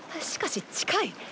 しかし近い！